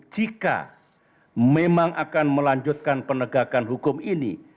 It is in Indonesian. jika memang akan melanjutkan penegakan hukum ini